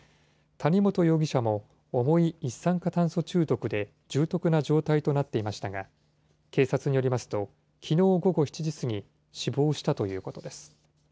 谷本容疑者も重い一酸化炭素中毒で重篤な状態となっていましたが、警察によりますと、きのう午後７時過ぎ、死亡したということです。